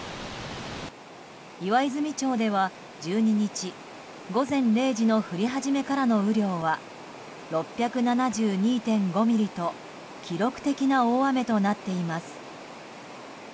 岩泉町では、１２日午前０時の降り始めからの雨量は６７２．５ミリと記録的な大雨となっています。